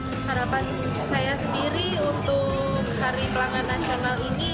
harapan saya sendiri untuk hari pelanggan nasional ini